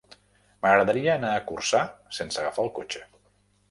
M'agradaria anar a Corçà sense agafar el cotxe.